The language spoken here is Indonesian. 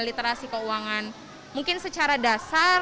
literasi keuangan mungkin secara dasar